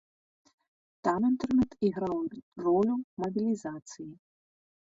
Там інтэрнэт іграў ролю мабілізацыі.